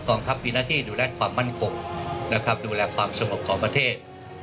กองทัพมีหน้าที่ดูแลความมั่นคมดูแลความสมบความประเทศ